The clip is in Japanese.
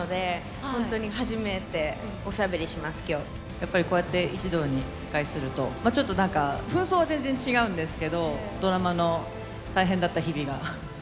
やっぱりこうやって一堂に会するとちょっと何かふん装は全然違うんですけどドラマの大変だった日々が思い起こされるというか。